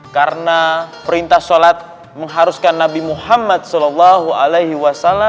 karena perintah solat mengharuskan nabi muhammad saw